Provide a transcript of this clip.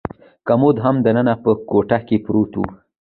کمود هم دننه په کوټه کې پروت و.